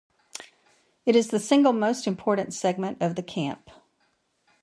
It is the single most important segment of the camp.